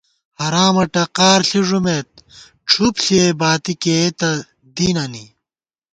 حرامہ ٹقار ݪی ݫُمېت ڄھُپ ݪِیَئی باتی کېئیتہ دینَنی